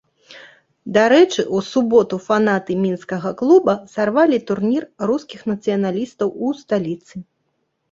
Дарэчы, у суботу фанаты мінскага клуба сарвалі турнір рускіх нацыяналістаў у сталіцы.